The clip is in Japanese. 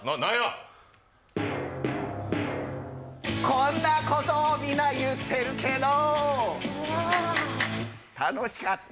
こんなことみんな言ってるけど楽しかった。